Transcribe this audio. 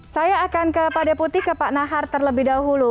saya akan ke pak deputi ke pak nahar terlebih dahulu